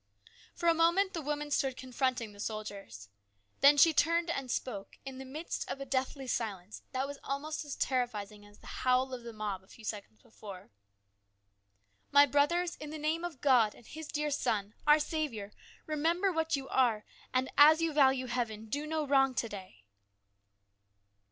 FOR a moment the woman stood confronting the soldiers. Then she turned and spoke, in the midst of a deathly silence that was almost as terrifying as the howl of the mob a few seconds before. " My brothers, in the name of God and His dear Son, our Saviour, remember what you are, and as you value heaven, do no wrong to day."